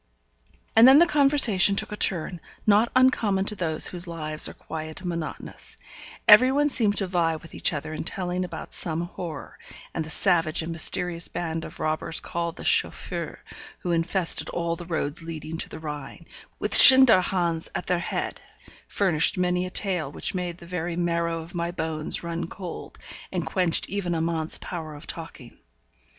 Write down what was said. And then the conversation took a turn, not uncommon to those whose lives are quiet and monotonous; every one seemed to vie with each other in telling about some horror; and the savage and mysterious band of robbers called the Chauffeurs, who infested all the roads leading to the Rhine, with Schinderhannes at their head, furnished many a tale which made the very marrow of my bones run cold, and quenched even Amante's power of talking.